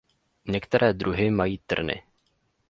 Některé druhy mají trny.